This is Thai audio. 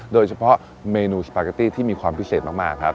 โดยเฉพาะเมนูสปาเกตตี้ที่มีความพิเศษมากครับ